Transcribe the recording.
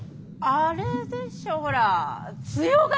あれでしょほら強がり。